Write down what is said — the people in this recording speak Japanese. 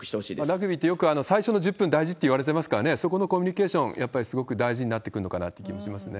ラグビーって、最初の１０分大事っていわれてますからね、そこのコミュニケーション、やっぱりすごく大事になってくるのかなという気はしますね。